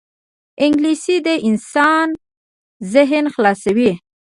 انګلیسي د انسان ذهن خلاصوي